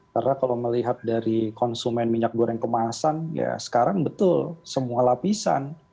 karena kalau melihat dari konsumen minyak goreng kemasan ya sekarang betul semua lapisan